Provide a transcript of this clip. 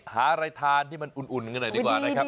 หาอะไรทานที่มันอุ่นกันหน่อยดีกว่านะครับ